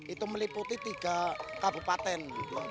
itu meliputi tiga kabupaten